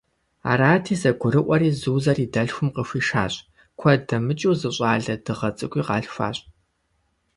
Арати, зэгурыӏуэри Зузэр и дэлъхум къыхуишащ, куэд дэмыкӏыу зы щӏалэ дыгъэ цӏыкӏуи къалъхуащ.